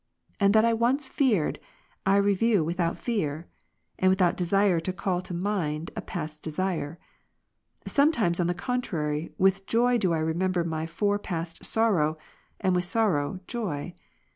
And that I once feared, I review without fear ; and without desire call to mind a past desire. Sometimes, on the contrary, with joy do I remember my fore past sorrow, and with sorrow, joy.